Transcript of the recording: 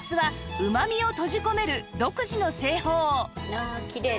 ああきれい。